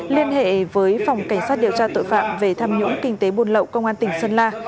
liên hệ với phòng cảnh sát điều tra tội phạm về tham nhũng kinh tế buôn lậu công an tỉnh sơn la